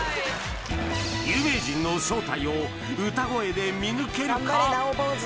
有名人の正体を歌声で見抜けるか？